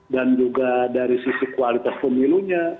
dan juga dari sisi kualitas pemilunya